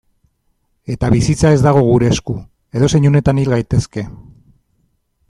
Eta bizitza ez dago gure esku, edozein unetan hil gaitezke.